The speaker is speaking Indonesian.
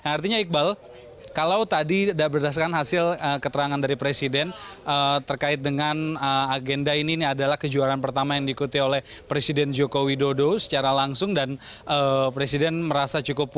artinya iqbal kalau tadi sudah berdasarkan hasil keterangan dari presiden terkait dengan agenda ini adalah kejuaraan pertama yang diikuti oleh presiden jokowi dodo